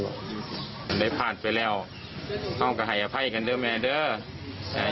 หลายผ่านไปแล้วขอต้องขายอาภัยกันด้วยไหมเด้อ